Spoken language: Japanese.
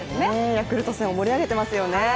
ヤクルト戦を一層盛り上げていますよね。